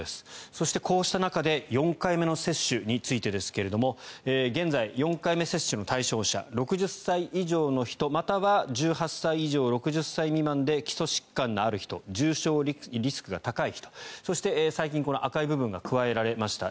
そしてこうした中で４回目の接種についてですが現在、４回目接種の対象者６０歳以上の人または１８歳以上６０歳未満で基礎疾患のある人重症リスクが高い人そして、最近この赤い部分が加えられました。